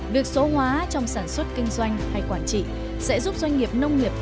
việc số hóa trong sản xuất kinh doanh hay quản trị sẽ giúp doanh nghiệp nông nghiệp